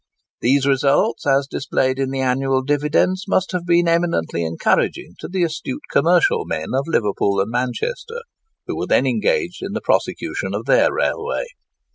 These results, as displayed in the annual dividends, must have been eminently encouraging to the astute commercial men of Liverpool and Manchester, who were then engaged in the prosecution of their railway.